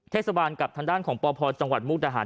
เทศบาลกับทางด้านของปพจังหวัดมุกดาหาร